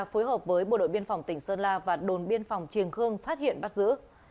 phối hợp với bộ đội biên phòng tỉnh sơn la và đồn biên phòng triềng khương phát hiện bắt giữ